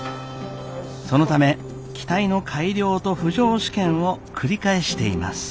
そのため機体の改良と浮上試験を繰り返しています。